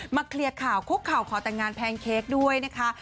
เคลียร์ข่าวคุกเข่าขอแต่งงานแพนเค้กด้วยนะคะ